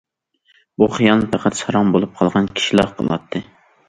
بۇ خىيالنى پەقەت ساراڭ بولۇپ قالغان كىشىلا قىلاتتى.